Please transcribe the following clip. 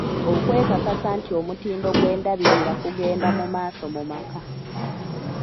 Okwekakasa nti omutindo gw’endabirira kugenda mu maaso mu maka.